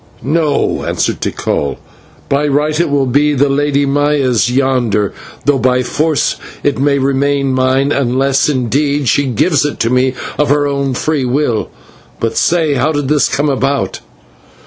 "No," answered Tikal, "by right it will be the Lady Maya's yonder, though by force it may remain mine, unless, indeed, she gives it to me of her own free will. But say, how did this come about?"